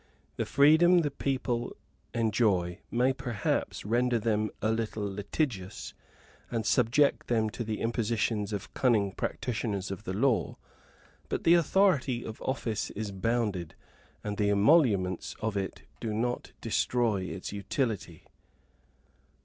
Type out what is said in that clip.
The freedom the people enjoy may, perhaps, render them a little litigious, and subject them to the impositions of cunning practitioners of the law; but the authority of office is bounded, and the emoluments of it do not destroy its utility.